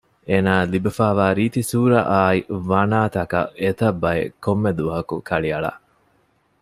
އޭނާއަށް ލިބިފައިވާ ރީތި ސޫރައާއި ވަނާތަކަށް އެތަށް ބައެއް ކޮންމެ ދުވަހަކު ކަޅިއަޅަ